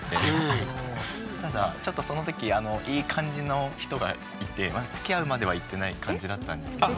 ただちょっとその時あのいい感じの人がいてつきあうまではいってない感じだったんですけど。